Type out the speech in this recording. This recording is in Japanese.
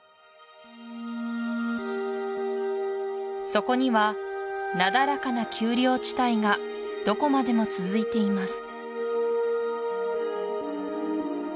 そこにはなだらかな丘陵地帯がどこまでも続いています